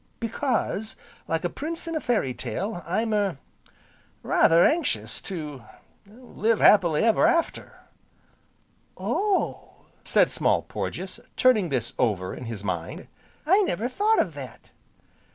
"Because, like a Prince in a fairy tale, I'm er rather anxious to live happy ever after." "Oh!" said Small Porges, turning this over in his mind, "I never thought of that."